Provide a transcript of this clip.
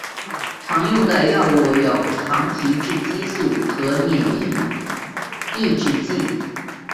常用的药物有糖皮质激素和免疫抑制剂。